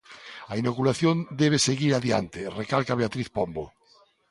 A inoculación debe seguir adiante, recalca Beatriz Pombo.